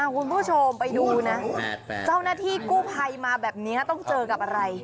คุณผู้ชมไปดูนะเจ้าหน้าที่กู้ภัยมาแบบนี้ต้องเจอกับอะไร